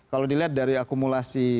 kalau dilihat dari akumulasi